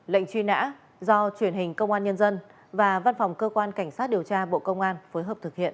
lệnh truy nã do truyền hình công an nhân dân và văn phòng cơ quan cảnh sát điều tra bộ công an phối hợp thực hiện